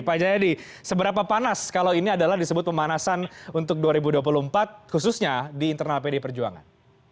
pak jayadi seberapa panas kalau ini adalah disebut pemanasan untuk dua ribu dua puluh empat khususnya di internal pdi perjuangan